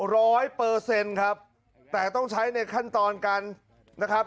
ร้อยเปอร์เซ็นต์ครับแต่ต้องใช้ในขั้นตอนกันนะครับ